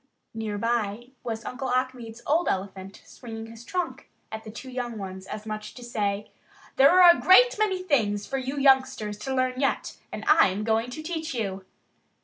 Near by was Uncle Achmed's old elephant, swinging his trunk at the two young ones as much as to say: "There are a great many things for you youngsters to learn yet, and I'm going to teach you."